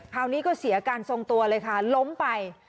คราวนี้ก็เสียการทรงตัวเลยค่ะล้มไป